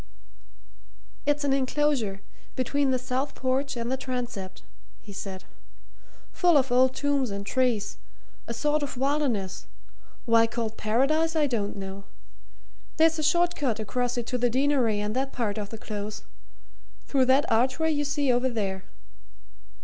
"It's an enclosure between the south porch and the transept," he said. "Full of old tombs and trees a sort of wilderness why called Paradise I don't know. There's a short cut across it to the Deanery and that part of the Close through that archway you see over there.